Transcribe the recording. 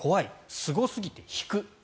すごすぎて引く。